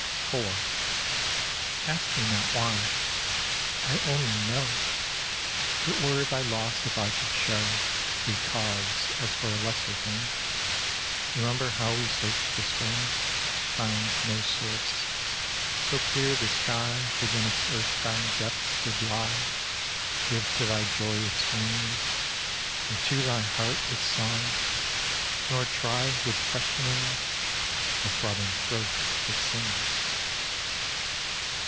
IV Ask me not why, I only know, It were thy loss if I could show Thee cause as for a lesser thing. Remember how we searched the spring, But found no source, so clear the sky Within its earth bound depths did lie, Give to thy joy its wings, And to thy heart its song, nor try With questionings The throbbing throat that sings.